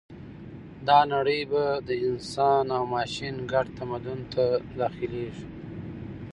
دا نړۍ به د انسان او ماشین ګډ تمدن ته داخلېږي